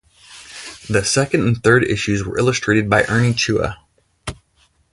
The second and third issues were illustrated by Ernie Chua.